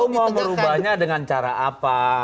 kamu mau merubahnya dengan cara apa